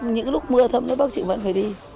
những lúc mưa thông bác chị vẫn phải đi